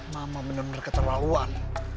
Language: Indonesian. mama bener bener keterlaluan